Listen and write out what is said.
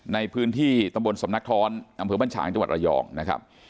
ในพื้นที่ตำบลสำนักท้อนอำเภอบ้านฉางจังหวัดระยองนะครับ